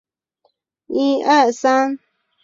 砂生槐为豆科槐属下的一个种。